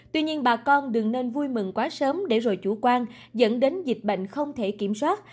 tuy nhiên bà con đừng nên vui mừng quá sớm để rồi chủ quan dẫn đến dịch bệnh không thể kiểm soát